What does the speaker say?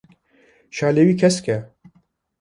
şalê wî kesk e.